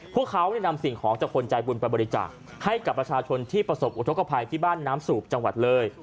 พวกเขานำสิ่งของจากคนใจบุญไปบริจาคให้กับประชาชนที่ประสบอุทธกภัยที่บ้านน้ำสูบจังหวัดเลย